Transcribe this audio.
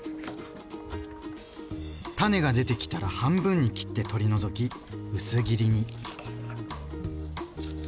種が出てきたら半分に切って取り除き薄切りに。